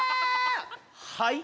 はい？